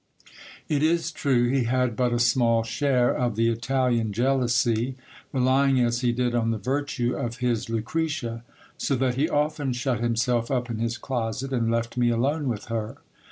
It is true, he had but a small share of the Italian jealousy, relying as he did on the virtue of his Lu cretia ; so that he often shut himself up in his closet, and left me alone with her.